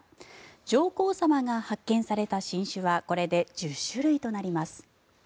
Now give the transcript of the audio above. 上皇さまが発見された新種はこれで１０種類となります。